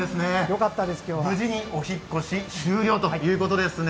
無事にお引っ越し終了ということですね？